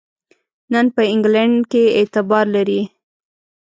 نن په انګلینډ کې اعتبار لري.